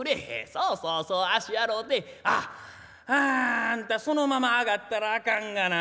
そうそうそう足洗うてあっあああんたそのまま上がったらあかんがな。